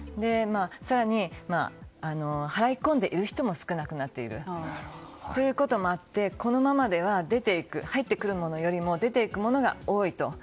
更に、払い込んでいる人も少なくなっているということもあってこのままでは入ってくるものより出ていくものが多いと。